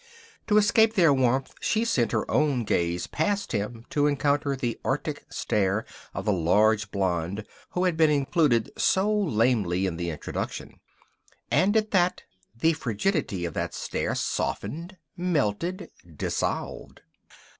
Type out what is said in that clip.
To escape their warmth she sent her own gaze past him to encounter the arctic stare of the large blonde who had been included so lamely in the introduction. And at that the frigidity of that stare softened, melted, dissolved.